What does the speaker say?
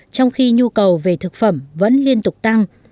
trong khi nhu cầu về thực phẩm vẫn liên tục tăng